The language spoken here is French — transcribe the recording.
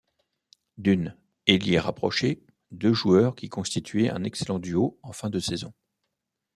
Dunn, ailier rapproché, deux joueurs qui constituaient un excellent duo en fin de saison.